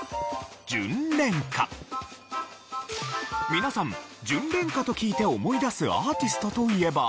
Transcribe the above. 皆さん「じゅんれんか」と聞いて思い出すアーティストといえば。